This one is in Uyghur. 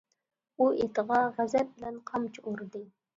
ئۇ، ئېتىغا غەزەپ بىلەن قامچا ئۇردى.